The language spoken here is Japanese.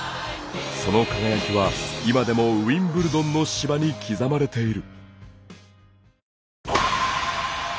その輝きは今でもウィンブルドンの芝に刻まれている。